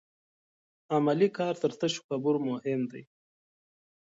عملي کار تر تشو خبرو مهم دی.